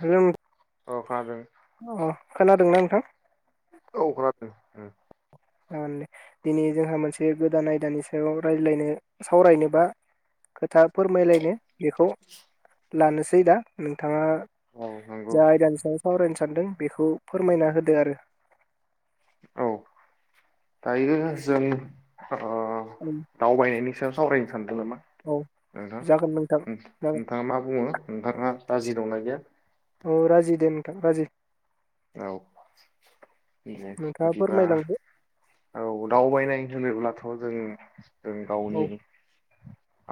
Hello नों अखादों खोनादोंना नोंथां खोनादों औ जागोनदे दिनै जोंहा मोनसे गोदान आयदानि सायाव रायज्लायनो सावरायनो बा खोथा फोरमायलायनो बेखौ लानोसै दा नोंथाङा नंगौ जाय दानसेआव सावरा सानदों बेखौ फोरमायना होदो आरो औ दायो जों अ आरो दावबायनायनि सायाव सावरायनो सानदों नामा औ नोंथां जागोन नोंथां जागोन नोंथाङा मा बुङो नोंथाङा राजि दंना गैया औ राजि दं नोंथां राजि औ नोंथाङा बिदिबा फोरमायलांदो औ दावबायनाय होनोबा थ'जों जों गावनि औ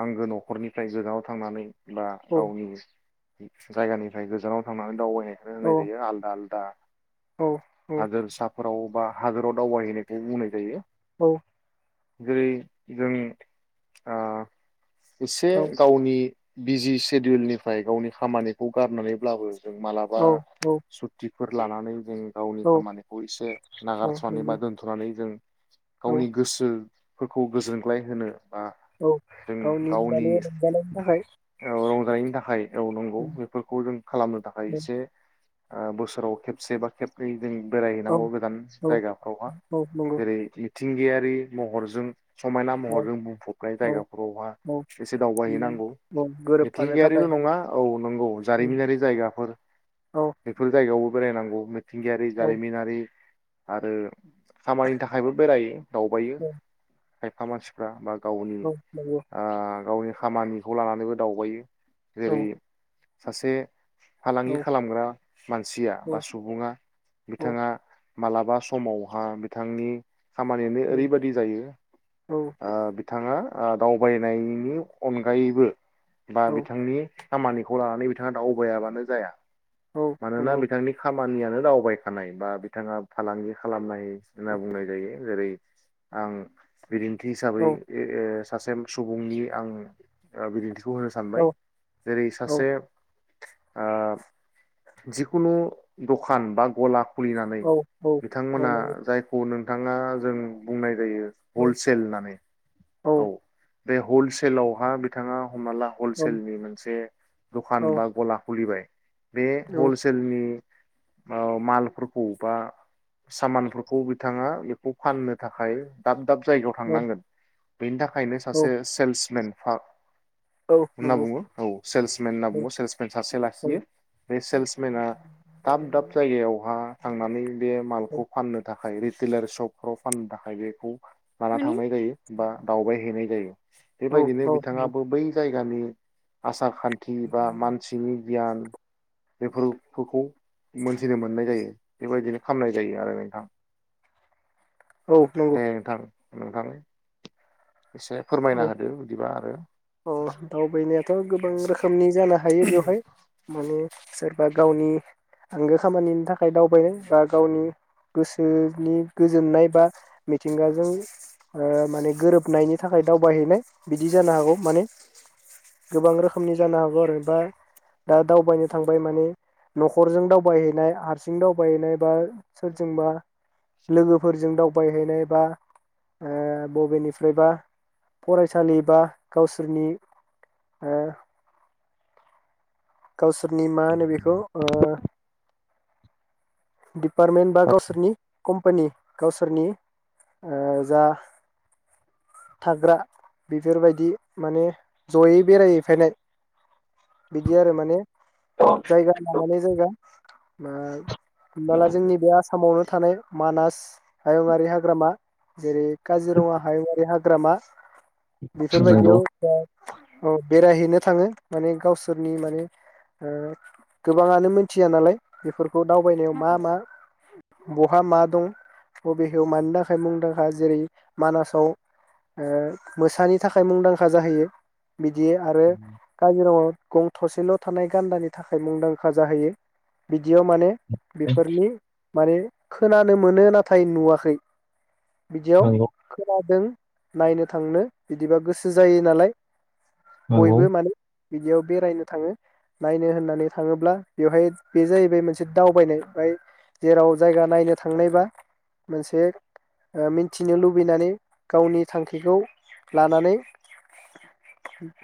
आंगो न'खरनिफ्राय गोजानाव थांनानै बा औ गावनि जायगानिफ्राय गोजानाव थांनानै दावबाय औ होनाइ जायो आल्दा आल्दा दा औ औ हागोन साफ फोराव बा हादोराव दावबायहैनायखौ बुंनाय जायो। औ जेरै जों आ एसे औ गावनि बिजि सेडिउलनिफ्राय गावनि खामानिखौ गारनानैब्लाबो जों मालाबा औ बेफोर लानानै जों गावनि औ खामानिखौ एसे औ नागारथनानै नंगौ बा दोन्थनानै जों औ गावनि गोसो फोरखौ गोजोनग्लाय होनो बा औ जों गावनि माने रंजानायनि थाखाय औ रंजानायनि थाखाय औ नांगौ बेफोरखौ जों खालामनो थाखाय औ एसे ओ बोसोराव खेबसे बा खेबनै जों औ बेरायहैनांगौ गोजान औ जायगाफ्रावहा औ नंगौ जेरै मिथिंगायारि महरजों समायना औ महरजों बुंफबनाय औ जायगाफोरावहा औ एसे दावबायहैनांगौ बिदिनो औ गोरोबफानो मिथिंगायारिल थाखाय नङा औ नंगौ जारिमिनारि जायगाफोर औ जायगायावबो बेरायनांगौ मिथिंगियारि औ जारिमिनारि आरो खामानिनि थाखायबो बेरायो दावबायो खायफा मानसिफ्रा बा गावनि औ नंगौ [inaudible] गावनि खामानिखौ लानानैबो दावबायो औ जेरै सासे औ फालांगि खालामग्रा मानसिया बा औ सुबुङा बिथाङा मालाबा समावहा बिथांनि खामानियानो ओरैबायदि औ औ जायो बिथाङा दावबायनायनि अनगायैबो बा औ बिथांनि खामानिखौ लानानै बिथाङा दावबायाबानो जाया। औ मानोना नंगौ बिथांनि खाम मानियानो दावबायखानाय बा बिथाङा फालांगि खालामनाय होनना बुंनाय जायो जेरै आं बिदिन्थि हिसाबै औ ए ओ सासे सुबुंनि आं ओ बिदिन्थि खौ होनो औ सानबाय जेरै औ औ सासे आम जिखुनु दखान ब गला खुलिनानै औ नंगौ औ बिथांमोना जायखौ नों थाङा जों बुंनाय जायो औ हलसेल होननानै औ बे हलसेलावहा बिथाङा हमनाला हलसेलनि मोनसे दखान बा गला खुलिबाय हलसेलनि ओ मालफोरखौ बा सामानफोरखौ बिथाङा बेखौ फाननो थाखाय दाब दाब जायगायाव थांनांगोन। बेनि थाखायनो सासे सेल्समेन फा नंगौ औ होनना बुङो औ सेल्समेन होनना बुङो सेल्समेन सासे लाखियो। बे सेल्समेना दाब दाब जायगायावहा थांनानै बे मालखौ फाननो था थाखाय रिटेलार शपफोराव फाननो थाखाय बेखौ लाना माने थांनाय जायो बा दावबाय हैैनाय जायो औ बेबायदिनो औ बिथाङाबो बै जाय गामि आसा खान्थि बा मानसिनि बियान बेफोर फोरखौ मोन्थिनो मोन्नाय जायो बेबायदिनो खामनाय जायो आरो नोंथां। औ नंगौ। दे नोंथां नोंथां एसे फोरमायना औ होदो बिदिबा आरो अ दावबायनायाथ गोबां रोखोमनि जानो हायो बेवहाय माने सोर बा गावनि आंगो खामानिनि थाखाय दावबायो बा गावनि गोसोनि गोजोन्नाय बा मिथिंगाजों ओ माने गोरोबनायनि थाखाय दावबायहैनाय बिदि जानो हागौ माने गोबां रोखोमनि जानो हागौ आरो बा दा दावबायनो थांबाय माने नखरजों दावबायहैनाय हारसिं दावबायहैनाय बा सोरजोंबा लोगोफोरजों दावबायहैनाय बा ओ बबेनिफ्रायबा फरायसालि बा गावसोरनि ओ गावसोरनि मा होनो बेखौ ओ डिपार्टमेन्ट बा गावसोरनि कम्फानि गावसोरनि‌ ओ जा थाग्रा‌ बेफोरबायदि‌ माने जयै‌ बेरायहैफायनाय बि दि आरो माने जायगा लानानै जायगा मा होमबाला जोंनि बे आसामावनो थानाय मानास हायुङारि हाग्रामा जेरै काजिरङा हायुुङारि हाग्रामा नंगौ बेफोरबायदियाव [unintelligible] बेरायहैनो थाङो माने गावसो फोरनि माने ओ गोबाङानो मोन्थिया नालाय बेफोरखौ दावबायनायाव मा मा बहा मा दं बबेहयाव मानि थाखाय मुंदांखा जेरै मानासाव ओ मोसानि थाखाय मुंदांखा जाहैयो। बिदि आरो काजिरङायाव गं थसेल थानाय गान्दानि थाखाय मुंदांखा जाहैयो बिदियाव माने बेफोरनि माने खोनानो मोनो नाथाय नुवाखै बिदियाव नंगौ खोना [unintelligible] नायनो थांनो बिदिबा गोसो जायो नालाय बयबो नंगौ माने बिदिआव बेरायनो थाङो नायनो होन्नानै थाङोब्ला बेवहाय बे जाहैबाय मोनसे दावबायनाय बाय जेराव जायगा नायनो थांनायबा मोनसे ओ मिन्थिनो ओ लुबैनानै गावनि थांखिखौ लानानै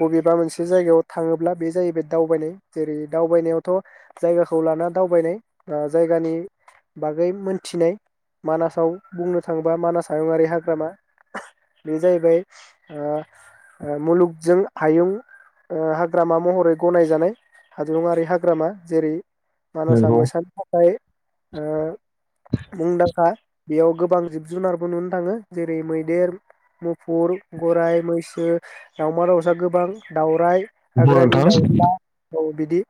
बबेबा मोनसे जायगायाव थाङोब्ला बे जायैबाय दावबायनाय जेरै दावबायनायावथ जायगाखौ लाना दावबायनाय जायगानि बागै मोन्थिनाय मानासाव बुंनो थाङोबा मानास हायुंआारि हाग्रामा बे जायैबाय ओ ओ मुलुगजों हायुं ओ हाग्रामा महरै गनायजानाय हादुङाआरि हाग्रामा जेरै मानासआ नंगौ मोसानि थाखाय ओ मुंदांखा। बेयाव गोबां जिब जुनारफोर नुनो थाङो जेरै मैदेर, मुफुर, गराइ, मैस, ो दावमा दावसा गोबां दावराय नंगौ हाग्रानि नोंथां दाउला दाउ बिदि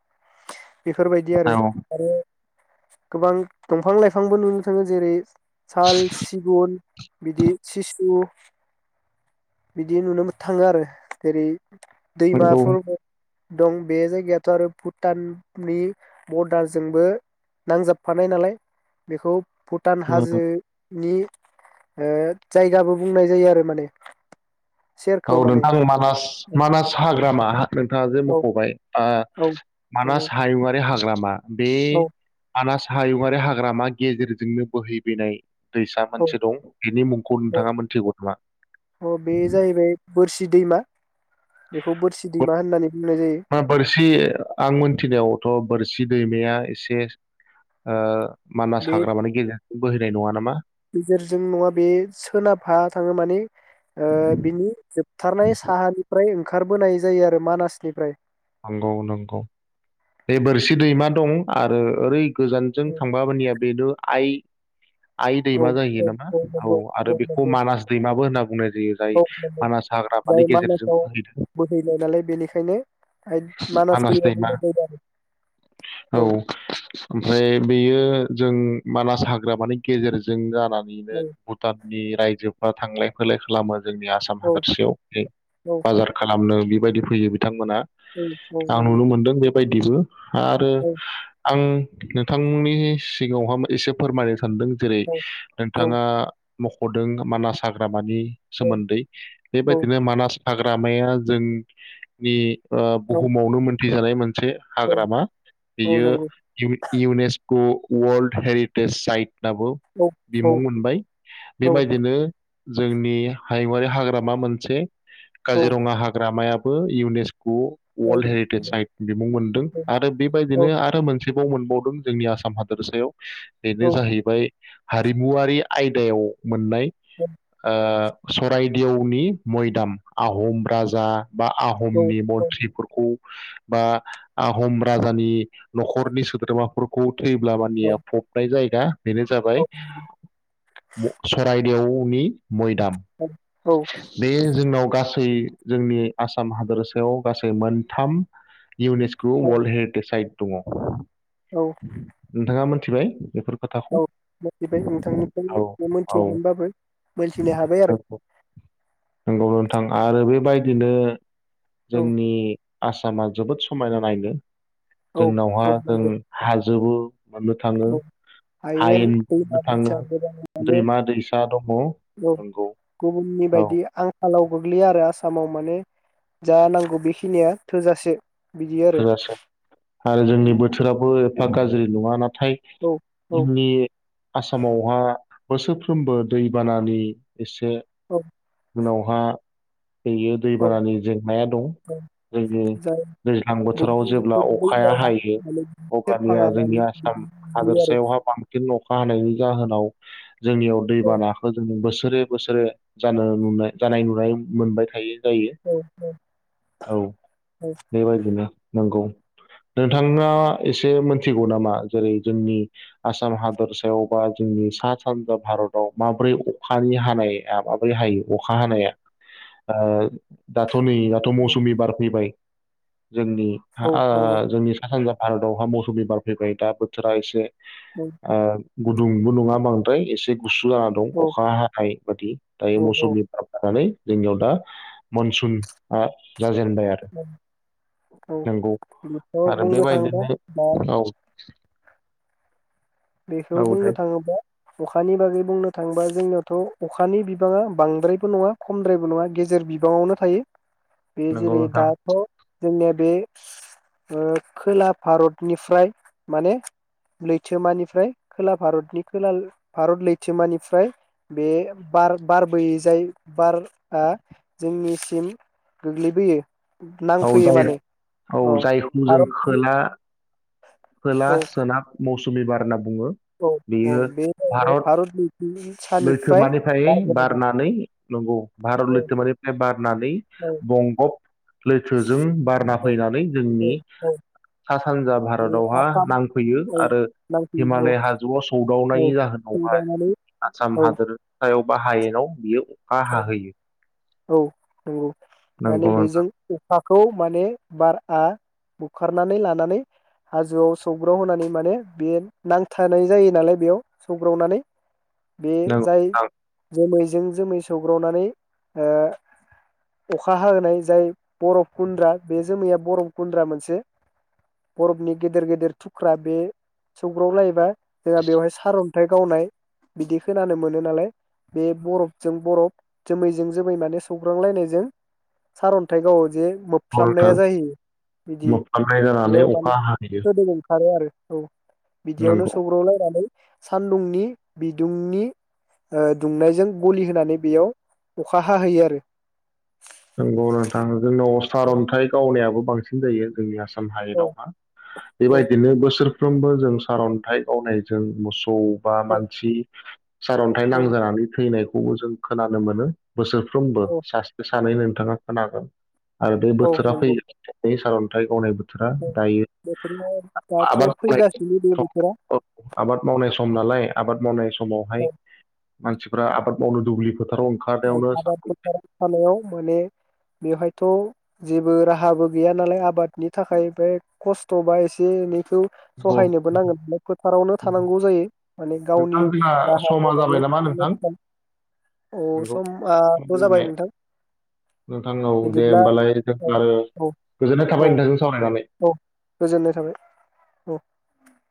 बेफोरबायदि आरो औ आरो गोबां दंफां लायफांबो नुनो थाङो जेरै साल, सिगुन बिदि सिसु बिदि नुनो थाङो आरो जेरै नंगौ दैमाफोर दं बे जायगायाथ आरो भुटाननि बरडारजोंबो नांजाबफानाय नालाय बेखौ भुटान हाजोनि ओ जायगाबो बुंनाय जायो आरो माने औ सेरखौ माने नोंथां मानास मानास हाग्रामा नोंथाङा जे औ मखबाय औ नंगौ मानास हायुंआरि हाग्रा मा बे औ मानास हायुंङारि हाग्रामा गेजेरजोंनो बोहैबोनाय दैसा औ मोनसे दं बेनि मुंखौ औ नोंथाङा मोनथिगौ नामा? औ बे जाहैबाय बोरसि दैमा बेखौ बोरसि दैमा होननानै बुङो। मा बोरसि बे आं मोनथिनायावथ बोरसि दैमाया एसे ओ मानास बे हाग्रमानि गेजेर बोहैनाय नङा नामा? गेजेरजों नङा बे सोनाबहा थाङो माने ओ बिनि जोब थारनाय साहानिफ्राय ओं ओंखारबोनाय जायो आरो मानासनिफ्राय नंगौ नंगौ बे बोरसि दैमा दं आरो ओरै गोजानजों औ थांबाबोनिया बेदो आइ आइ औ दैमा जाहैयो औ नामा औ नंगौ आरो बेखौ नंगौ मानास दैमाबो होनना बुं औ औ जाय गेजेरजों मानासाव बोहैदों बोहैनाय नालाय बेनिखायनो मानास दैमा बुंनाय जायो आरो औ ओमफ्राय बेयो जों मानास हाग्रामानि गेजेरजों जा नानैनो भुटान जि रायजोफ्रा थांलाय फैलाय खालामो जोंनि आसाम औ हादरसायाव बे औ बाजार खालामनो बे बायदि फैयो बिथांमोना। औ नंगौ। बायदिबो आरो औ आं। नोंथांमोननि सिगाङावहाय एसे फोरमायनो सानदों जेरै औ औ नोंथाङा मखदों मानास हाग्रा मानि सोमोन्दै औ बेबायदिनो मानास हाग्रामाया जोंनि ओ औ बुहुमावनो मोन [unintelligible] मोनसे औ हाग्रामा औ बियो नंगौ इउनेस टु वर्ल्ड हेरिटेेज साइट। दाबो औ बिमुं मोनबाय औ बेबायदिनो जोंनि हायुङारि हाग्रामा मोनसे काजिरङा हाग्रामाया बो इउनेस्क अ औ वार्ल्ड हेरिटेज साइ बिमुं मोनदों आरो बेबायदिनो आरो मोनसे मोनसेबाव मोनबावदों जोंनि आसाम हादोरसायाव। बेनो जाहैबाय हारिमुवारि आयदायाव मोननाय ओ सरायदेवनि मैदाम आहम राजा। बा आहमनि मन्थ्रिफोरखौ बा आहम राजानि नखरनि सोद्रोमाफोर [unintelligible] थैब्ला मानिया फबनाय जायो। दा बेनो जाबाय [unintelligible] यावनि मैदाम औ बे जोंनाव। गासै जोंनि आसाम हादरसा बेयाव गासै मोनथाम इउनेस्क औ वाल्ड हेरिटेज साइट दङ औ नोंथाङा मोन थिबाय बेफोर खोथाखौ औ मोनथिबाय औ नोंथांनिफ्राय औ मोनथियामोनबाबो मोनथिनो हाबाय आरो थां आरो बेबायदिनो औ जोंनि आसामा जोबोद समायना नायनो औ जोंनावहा औ जों नंगौ हाल जोबो औ हायेन औ मोननो दैमा थाङो दैसा, दैमा दैसा दङ [unintelligible] औ नंगौ गुबुननि औ बायदि आंखालाव गोग्लैया आरो आ सामाव माने जा नांगौ बेखिनिया थोजासे बिदि आरो थोजासे आरो औ जोंनि बोथोराबो गाज्रि नङा नाथाय औ जोंनि आसामावहा बोसोरफ्रोमबो दैबानानि एसे औ उनावहा बेयो औ दैबानानि जेंनाया दं जाय जोंनि दैज्लां बोथोराव जेब्ला अखाया दैमाया हायो माने अब्लानिया सेरफाङा माने जोंनि आसाम बिदि आरो हादोरसायावहा बांसिन अखा हानायनि जाहोनाव जोंनियाव दैबानाखो जों बोस सोरे बोसोरे जानो नुनाय जानाय नुनाय मोनबाय थायो। जायो औ औ औ औ बेबायदिनो नोंगौ नोंथाङा इसे मोनथिगौ नामा जेरै जोंनि आसाम हादरसायाव बा जोंनि सा सानजा भारताव माब्रै अखानि हानाया माब्रै हायो अखा हानाया ओ दा दाथ नै दाथ औ मौसुमि बार फैबाय जोंनि औ हाआ नंगौ जोंनि सा सानजा भारतावहा मौसुमि बार फैबाय दा बोथोरा एसे नंगौ आ गुदुंबो नङा बांद्राय एसे गुसु जाना दं औ अखा हानाय बादि दायो औ औ मौसुमि बार बारनानै जोंनियाव दा मनसुनआ जाजेनबाय आरो। औ औ नंगौ बेनोथ आरो बुंनो थाङोब्ला बेबायदिनो दा [unintelligible] बेखौ औ बुंनो दे थाङोबा अखानि बागै बुंनो थाङोबा जोंनियाव थ अखानि बिबाङा बांद्रायबो नङा खमद्रायबो नङा गेजेर बिबाङावनो थायो। बेे नंगौ जेरै नोंथां दाथ जोंनिया बे ओ खोला भारतनिफ्राय माने लैथोमानि निफ्राय खोला भारतनि खोला भारत लैथोमानिफ्राय बे बार बारबोयै जाय बारआ जोंनिसिम गोग्लैबोयो। औ नांफैयो जाय माने औ अ जायखौ जों भारतनि खोला खोला औ सोनाब मौसुमि बार होनना बुङो औ औ बेयो बे जाहैबाय भारत लैथोनि सानिफ्राय लैथोमानिफ्राय बारबोनाय बार बारनानै नंगौ भारत लैथोमानिफ्राय बारनानै औ बंगभ लैथोजों बारना फैनानै जोंनि औ औ सा सानजा बे भारतावहा आसाम नांफैयो औ आरो नांफैयो हिमालय हाजोआव औ सौदावनायनि जाहोनावहाय फैलायनानै आसाम हादोरयाव बा हायेनाव बियो औ औ नोंगौ माने नंगौ नोंथां बेजों अखाखौ माने बारआ बुखारनानै लानानै हाजोआव सौग्राव होनानै माने बे नांथारनाय जायो नालाय बेयाव सौग्रावनानै बे नंगौ जाय नोंथां जोमै जों जोमै सो सौग्रावनानै ओ अखा हाहोनाय जाय बरफ गुन्द्रा बे जोमैया बरफ गुन्द्रा मोनसे बरफनि गेदेर गेदेर थुख्रा बे सौग्रावलायोबा जोंहा बेवहाय सारन्थाइ गावनाय बिदि खोनानो मोनो नालाय बे बरफजों बरफ जोमैजों जोमै माने सौग्रांलायनायजों सारन्थाइ गावो जे नंगौ नोंथां मोबफ्लाबनाया जायो बिदि मोफ्लामनाय जानानै बेयाव माने अखा हाहैयो गोदोब ओंखारो आरो। औ। बिदियावनो नंगौ सौग्रावलायनानै सान्दुंनि बिदुंनि ओ दुंनायजों गलि होनानै बेयाव अखा हाहैयो आरो। नोंगौ नोंथां। जोंनाव अथार अन्थाइ गावनायाबो बांसिन जायो जोंनि आसाम औ हायेनावहा औ बेबायदिनो बोसोर फ्रोमबो जों सारअन्थाइ गावनायजों मोसौ औ बा मानसि सारअन्थाइ औ नांजानानै थैनाय खौ जों खोनानो मोनो। बोसोरफ्रोमबो औ सा [unintelligible] [unintelligible] नोंथाङा खोनागोन आरो बे औ बोथोरा नंगौ फैयो [unintelligible] सार अन्थाइन्थाइ गावनाय बोथोरा औ दायो बोथोरा दाथ' फैगासिनो बे [unintelligible] बोथोरा आबाद मावनाय सम नालाय आबाद मावनाय समावहाय औ मानसिफ्रा आबाद मावनो दुब्लि फोथाराव औ ओंखारनायावनो सा- आबाद फथार [unintelligible] माने बेवहायथ जेबो राहाबो गैया नालाय आबादनि थाखाय बे खस्थबा एसे एनै बेखौ नंगौ। सहायनोबो नांगोन बे फोथारावनो थानांगौ जायो माने नोंथां गावनि जोंना समा राहाखौनो जाबाय नामा [unintelligible] थाखाय औ [unintelligible] समाथ' जाबाय नोंथां नोंथांनाव दे बिदिब्ला होमबालाय औ आरो औ गोजोननाय थाबाय औ नोंथांजों सावरायनानै औ गोजोननाय थाबाय औ।